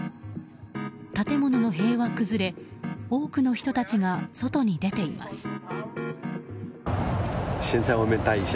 建物の塀は崩れ多くの人たちが外に出ています。